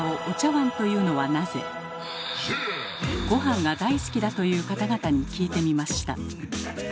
ごはんが大好きだという方々に聞いてみました。